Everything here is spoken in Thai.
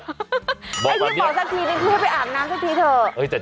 พี่ขอสักทีนึงรีบไปอาบน้ำสักทีเถอะ